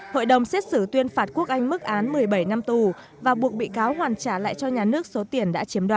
hội đồng xét xử tuyên phạt quốc anh mức án một mươi bảy năm tù và buộc bị cáo hoàn trả lại cho nhà nước số tiền đã chiếm đoạt